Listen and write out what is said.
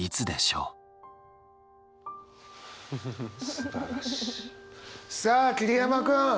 すばらしいさあ桐山君。